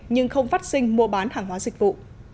nhưng không phát sinh mua bán hàng hóa dịch vụ